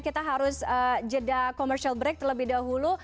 kita harus jeda komersial break terlebih dahulu